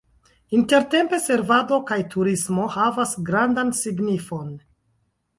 Intertempe servado kaj turismo havas grandan signifon.